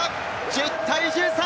１０対１３。